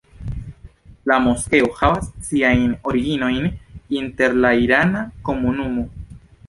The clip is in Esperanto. La moskeo havas siajn originojn inter la irana komunumo.